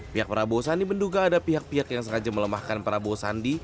pihak prabowo sandi menduga ada pihak pihak yang sengaja melemahkan prabowo sandi